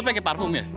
lo pake parfum ya